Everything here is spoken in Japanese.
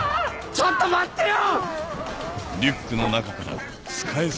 ちょっと待ってよ！